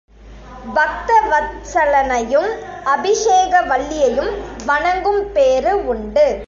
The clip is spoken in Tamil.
பக்த வத்ஸலனையும் அபிஷேகவல்லியையும் வணங்கும் பேறு உண்டு.